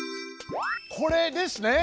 これですね。